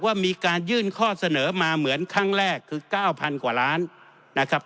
ว่ามีการยื่นข้อเสนอมาเหมือนครั้งแรกคือ๙๐๐กว่าล้านนะครับ